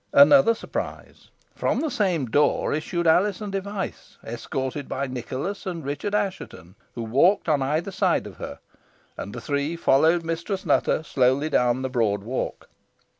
Another surprise. From the same door issued Alizon Device, escorted by Nicholas and Richard Assheton, who walked on either side of her, and the three followed Mistress Nutter slowly down the broad walk.